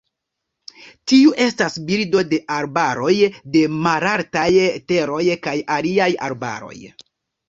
Tiu estas birdo de arbaroj de malaltaj teroj kaj aliaj arbaroj.